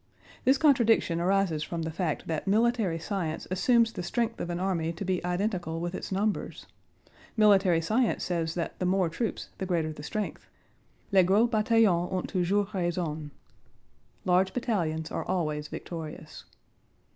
This contradiction arises from the fact that military science assumes the strength of an army to be identical with its numbers. Military science says that the more troops the greater the strength. Les gros bataillons ont toujours raison. Large battalions are always victorious.